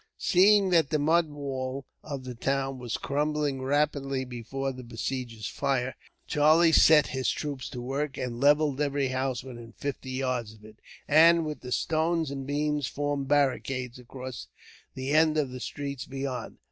Seeing that the mud wall of the town was crumbling rapidly before the besiegers' fire, Charlie set his troops to work, and levelled every house within fifty yards of it, and with the stones and beams formed barricades across the end of the streets beyond.